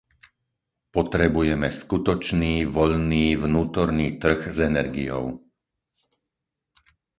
Potrebujeme skutočný voľný vnútorný trh s energiou.